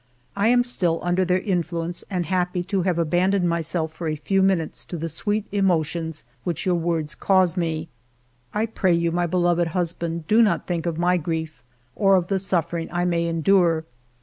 I am still under their influence and happy to have abandoned myself for a few minutes to the sweet emotions which your words cause me. I pray you, my beloved hus band, do not think of my grief or of the suffering I may endure.